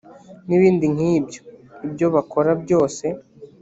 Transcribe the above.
n ibindi nk ibyo ibyo bakora byose